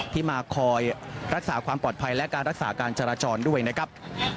ที่มาคอยรักษาความปลอดภัยและการรักษาการจราจรด้วยนะครับ